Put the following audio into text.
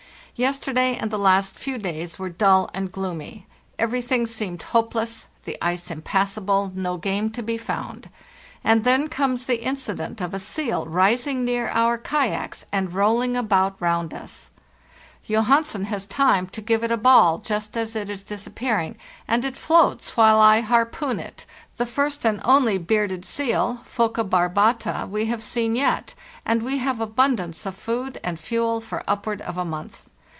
Yesterday and the last few days were dull and gloomy; everything seemed hopeless, the ice impassable, no game to be found; and then comes the incident of a seal rising near our kayaks and rolling about roundus. Johansen has time to give it a ball just as it is disappearing, and it floats while I har poon it—the first and only bearded seal (Poca barbata) and we have abundance of food and we have seen yet fuel for upward of a month.